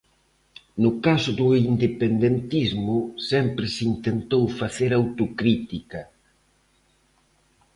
No caso do independentismo, sempre se intentou facer autocrítica.